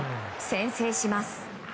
先制します。